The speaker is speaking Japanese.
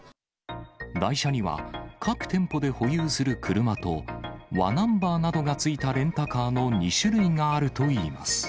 代車には、各店舗で保有する車と、わナンバーなどがついたレンタカーの２種類があるといいます。